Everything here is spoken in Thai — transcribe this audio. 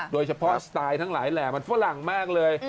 โดยเฉพาะสไตล์ทั้งหลายแหล่มันฝรั่งมากเลย